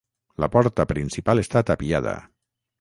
La porta principal està tapiada.